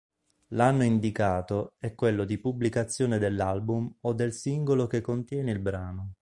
L'anno indicato è quello di pubblicazione dell'album o del singolo che contiene il brano.